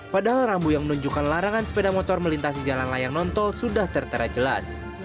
padahal rambu yang menunjukkan larangan sepeda motor melintasi jalan layang nontol sudah tertera jelas